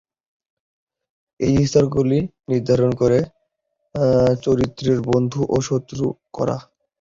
এই স্তরগুলি নির্ধারণ করে চরিত্রের বন্ধু ও শত্রু কারা।